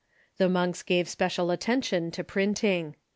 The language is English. The monks gave special attention to printing.